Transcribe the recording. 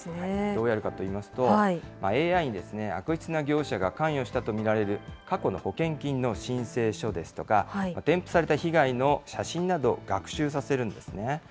どうやるかといいますと、ＡＩに悪質な業者が関与したと見られる過去の保険金の申請書ですとか、添付された被害の写真などを学習させるんですね。